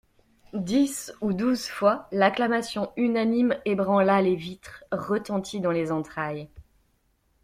Dix ou douze fois, l'acclamation unanime ébranla les vitres, retentit dans les entrailles.